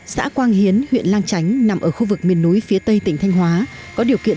xã quang hiến huyện lang chánh nằm ở khu vực miền núi phía tây tỉnh thanh hóa có điều kiện